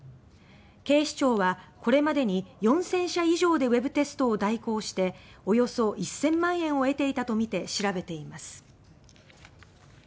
警視庁はこれまでに４０００社以上でウェブテストを代行しておよそ１０００万円を得ていたとみて調べています。